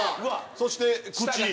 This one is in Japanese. そして口。